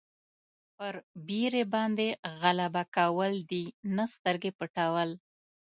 پر بېرې باندې غلبه کول دي نه سترګې پټول.